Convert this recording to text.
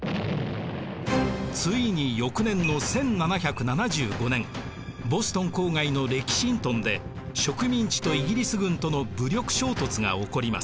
ついに翌年の１７７５年ボストン郊外のレキシントンで植民地とイギリス軍との武力衝突が起こります。